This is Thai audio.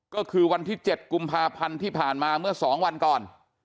ก็คือวันที่๗กุมภาพันธ์ที่ผ่านมาเมื่อ๒วันก่อน